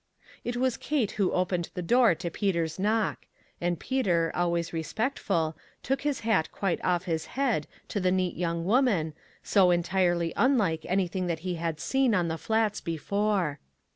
It was Kate who opened the door to Peter's knock, and Peter, always respectful, took his hat quite off his head to the neat young woman, so entirely unlike anything that he had seen on the Flats before.